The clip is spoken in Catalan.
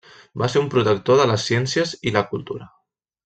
Va ser un protector de les ciències i la cultura.